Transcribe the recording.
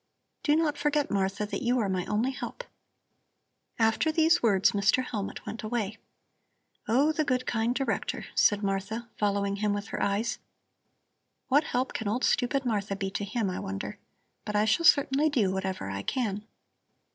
Do not forget, Martha, that you are my only help." After these words Mr. Hellmut went away. "Oh, the good kind Director!" said Martha, following him with her eyes. "What help can old, stupid Martha be to him, I wonder. But I shall certainly do whatever I can."